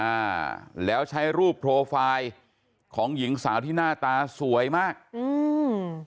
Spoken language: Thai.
อ่าแล้วใช้รูปโปรไฟล์ของหญิงสาวที่หน้าตาสวยมากอืม